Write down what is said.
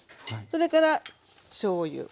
それからしょうゆ。